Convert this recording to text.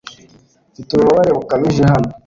Mfite ububabare bukabije hano .